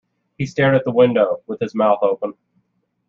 He stared at the window, with his mouth open.